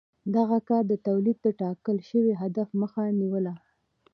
دغه کار د تولید د ټاکل شوي هدف مخه نیوله.